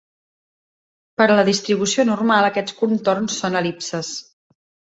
Per a la distribució normal, aquests contorns són el·lipses.